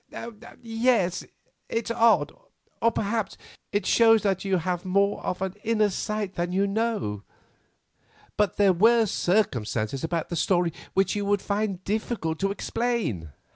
"Yes, it's odd; or, perhaps, it shows that you have more of the inner sight than you know. But there were circumstances about the story which you would find difficult to explain."